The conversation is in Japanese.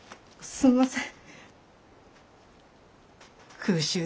すんません」。